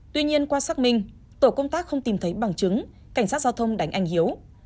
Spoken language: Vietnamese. tuy nhiên qua xác minh tổ công tác không tìm thấy bằng chứng cảnh sát giao thông đánh anh hiếu